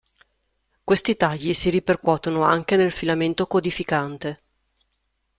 Questi tagli si ripercuotono anche nel filamento codificante.